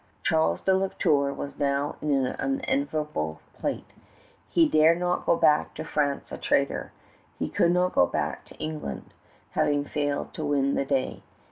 Claude de La Tour was now in an unenviable plight. He dare not go back to France a traitor. He could not go back to England, having failed to win the day.